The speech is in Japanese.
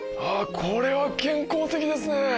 これは健康的ですね。